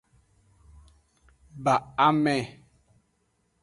Ba ame.